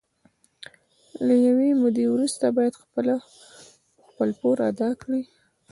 له یوې مودې وروسته باید خپل پور ادا کړي